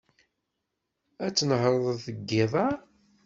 Ad tnehṛeḍ deg yiḍ-a?